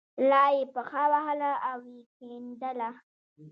لا یې پښه وهله او یې کیندله.